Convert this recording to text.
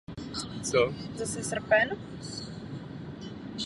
Komise nebyla informována o studii, kterou vypracovala univerzita Pompeu Fabra.